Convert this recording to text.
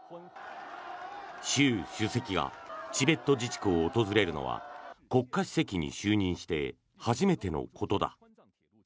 習主席がチベット自治区を訪れるのは国家主席に就任して初めてのことだ。